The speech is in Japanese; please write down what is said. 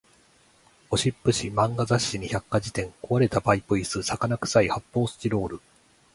ゴシップ誌、漫画雑誌に百科事典、壊れたパイプ椅子、魚臭い発砲スチロール